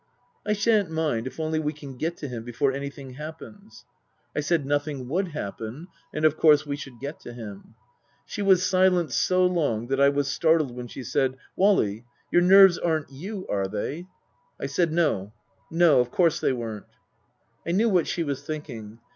" I shan't mind if only we can get to him before anything happens." I said nothing would happen, and of course we should get to him. She was silent so long that I was startled when she said, " Wally your nerves aren't you, are they ?" I said, No. No. Of course they weren't. I knew what she was thinking.